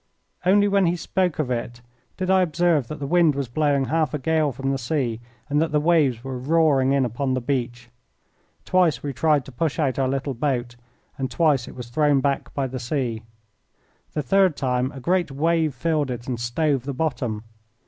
Only when he spoke of it did I observe that the wind was blowing half a gale from the sea and that the waves were roaring in upon the beach. Twice we tried to push out our little boat, and twice it was thrown back by the sea. The third time a great wave filled it and stove the bottom.